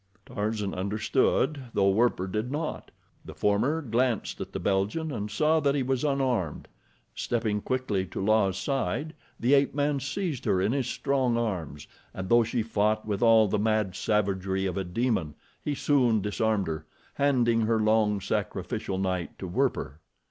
Tarzan understood, though Werper did not. The former glanced at the Belgian and saw that he was unarmed. Stepping quickly to La's side the ape man seized her in his strong arms and though she fought with all the mad savagery of a demon, he soon disarmed her, handing her long, sacrificial knife to Werper.